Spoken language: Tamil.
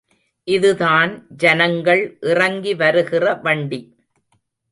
இதுதான் ஜனங்கள் இறங்கி வருகிற வண்டி.